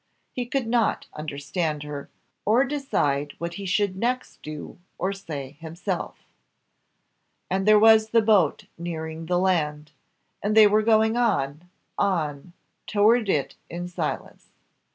He could not understand her, or decide what he should next do or say himself; and there was the boat nearing the land, and they were going on, on, towards it in silence.